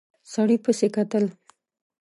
سړي پسې کتل.